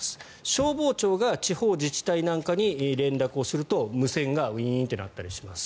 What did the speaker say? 消防庁が地方自治体なんかに連絡をすると無線がウィーンって鳴ったりします。